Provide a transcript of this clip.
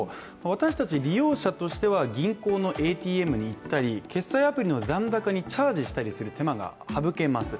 私たち利用者としては、銀行のＡＴＭに行ったり決済アプリの残高にチャージしたりする手間が省けます。